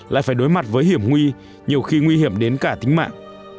lại phải đối mặt với hiểm nguy nhiều khi nguy hiểm đến cả tính mạng